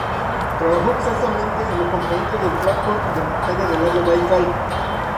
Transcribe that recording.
Trabajó extensamente en los componentes del fitoplancton del área del lago Baikal.